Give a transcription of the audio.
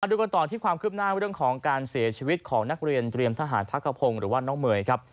ดูกันต่อที่ความคืบหน้าเรื่องของการเสียชีวิตของนักเรียนเตรียมทหารพักขพงศ์หรือว่าน้องเมย์ครับ